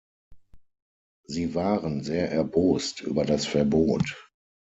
Sie waren sehr erbost über das Verbot.